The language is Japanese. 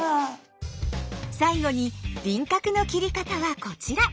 最後に輪郭の切り方はこちら。